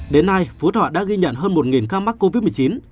đến nay phú thọ đã ghi nhận hơn một ca mắc covid một mươi chín